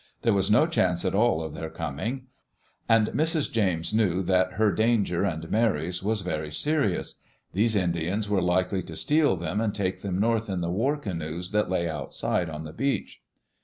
There was no chance at all of their coming. And Mrs. James knew that her danger and Mary's was very serious. These Indians were likely to steal them and take them north in the war canoes that lay outside on the beach.